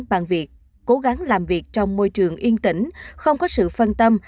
bằng việc cố gắng làm việc trong môi trường yên tỉnh không có sự phân tâm